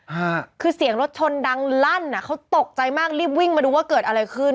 ฮะคือเสียงรถชนดังลั่นอ่ะเขาตกใจมากรีบวิ่งมาดูว่าเกิดอะไรขึ้น